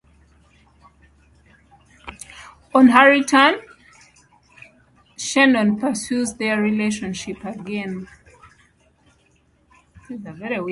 On her return, Chernon pursues their relationship again.